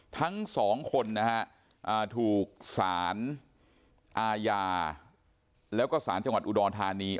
ทั้งสองคนนะฮะถูกสารอาญาแล้วก็สารจังหวัดอุดรธานี